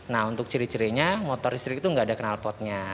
nah untuk ciri cirinya motor listrik itu nggak ada kenalpotnya